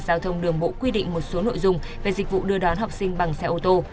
giao thông đường bộ quy định một số nội dung về dịch vụ đưa đón học sinh bằng xe ô tô